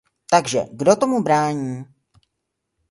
Takže kdo tomu bráni?